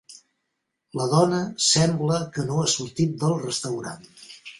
La dona sembla que no ha sortit del restaurant.